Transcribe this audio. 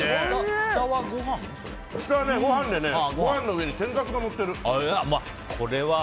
下は、ご飯でご飯の上に天かすがのってる。